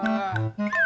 datang ke kameranya